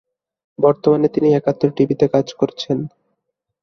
বর্তমানে তিনি একাত্তর টিভিতে কাজ করছেন।